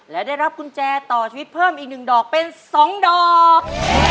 และได้รับกุญแจต่อชีวิตเพิ่มอีก๑ดอกเป็น๒ดอก